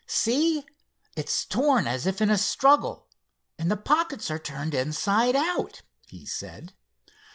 "See, it's torn as if in a struggle, and the pockets are turned inside out," he said.